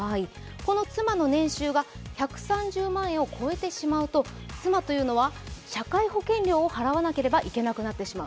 この妻の年収が１３０万円を超えてしまうと妻というのは社会保険料を払わなければいけなくなってしまう。